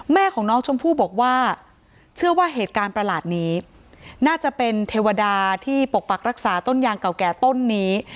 แม่ของน้องชมพู่บอกว่าเชื่อว่าเหตุการณ์ประหลาดนี้น่าจะเป็นเทวดาที่ปกปักรักษาต้นยางเก่าแก่ต้นนี้